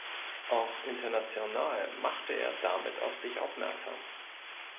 Auch international machte er damit auf sich aufmerksam.